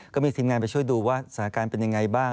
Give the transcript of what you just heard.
ก็มีทีมงานไปช่วยดูว่าสถานการณ์เป็นยังไงบ้าง